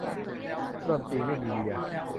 ถ้าดนตรีไม่มีเบียร์